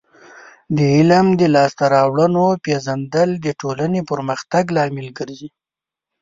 د علم د لاسته راوړنو پیژندل د ټولنې پرمختګ لامل ګرځي.